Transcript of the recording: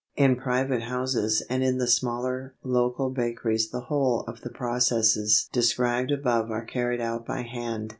In private houses and in the smaller local bakeries the whole of the processes described above are carried out by hand.